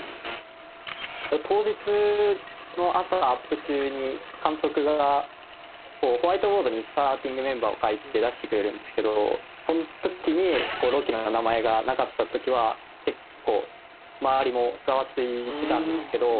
当日の朝アップ中に監督がホワイトボードにスターティングメンバーを書いて出してくれるんですけどその時に朗希の名前がなかった時は結構周りもザワついてたんですけど